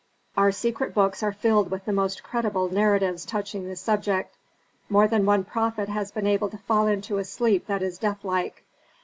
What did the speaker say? "Our secret books are filled with the most credible narratives touching this subject. More than one prophet has been able to fall into a sleep that is deathlike.